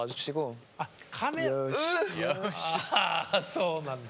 そうなんだ。